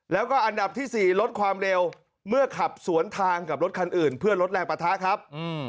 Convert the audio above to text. แล้วก็อันดับที่๔ลดความเร็วเมื่อขับสวนทางกับรถคันอื่นเพื่อลดแรงปะทะครับ